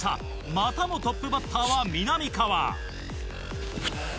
またもトップバッターはみなみかわ。